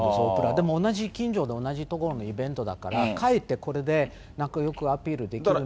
でも近所で同じ所のイベントだから、かえってこれで仲よくアピールできるんです。